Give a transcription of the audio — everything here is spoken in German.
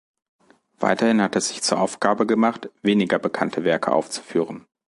Weiterhin hat es sich zur Aufgabe gemacht, weniger bekannte Werke aufzuführen.